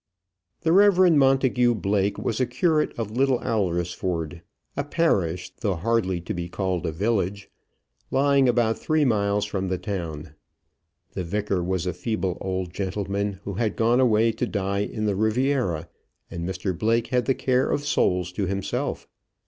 The Rev Montagu Blake was curate of Little Alresford, a parish, though hardly to be called a village, lying about three miles from the town. The vicar was a feeble old gentleman who had gone away to die in the Riviera, and Mr Blake had the care of souls to himself.